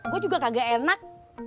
gue juga kagak enak